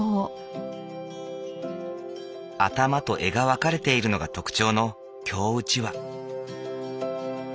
頭と柄が分かれているのが特徴の京うちわ。